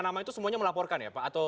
nama itu semuanya melaporkan ya pak